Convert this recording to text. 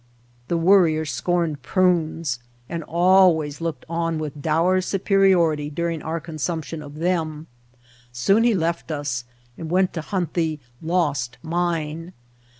The Worrier scorned prunes and always looked on with dour superiority during our con sumption of them. Soon he left us and went to hunt the "lost mine."